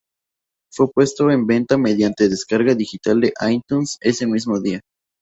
Fue puesto en venta mediante descarga digital en iTunes ese mismo día.